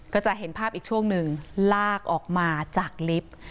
ก็จะเห็นภาพอีกช่วงหนึ่งลากออกมาจากลิฟต์